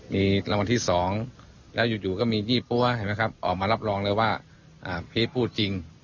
มีรางวัลที่๒แล้วอยู่ก็มียี่ปั๊วเห็นไหมครับออกมารับรองเลยว่าพีชพูดจริง